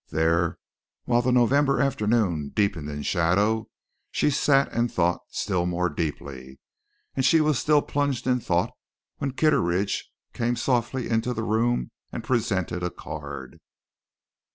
There, while the November afternoon deepened in shadow, she sat and thought still more deeply. And she was still plunged in thought when Kitteridge came softly into the room and presented a card.